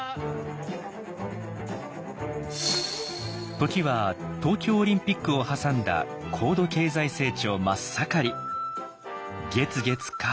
時は東京オリンピックを挟んだ高度経済成長真っ盛り。